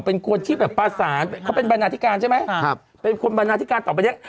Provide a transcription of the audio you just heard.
เป็นกวดชีพประสานเขาเป็นบรรนาธิกานใช่ไหมเป็นคนบรรนาธิกานต่อไปเนี้ย